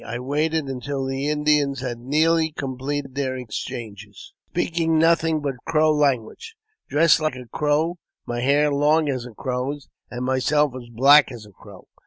I waited until the Indians had nearly completed their exchanges, speaking nothing but Crow language, dressed like a Crow, my hair as long as a Crow's, and myself as black as a crow.